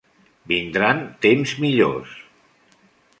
Vindran temps millors.